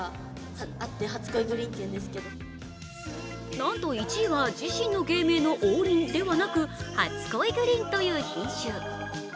なんと１位は自身の芸名の王林ではなくはつ恋ぐりんという品種。